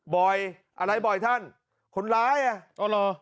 บ่อยอะไรบ่อยท่านคนร้ายอ่ะอ๋อเหรอ